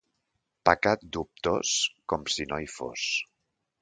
Pecat dubtós, com si no hi fos.